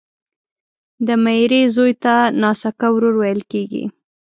د ميرې زوی ته ناسکه ورور ويل کیږي